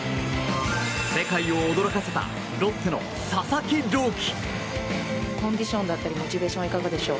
世界を驚かせたロッテの佐々木朗希。